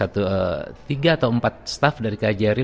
atau tiga atau empat staff dari kjri